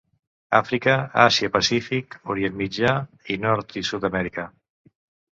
Àfrica, Àsia-Pacífic, Orient Mitjà i Nord- i Sud-Amèrica.